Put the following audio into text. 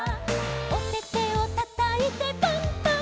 「おててをたたいてパンパンパン！！」